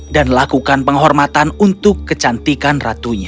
dan melakukan penghormatan untuk kecantikan ratunya